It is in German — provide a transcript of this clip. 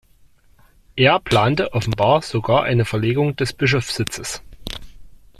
Er plante offenbar sogar eine Verlegung des Bischofssitzes.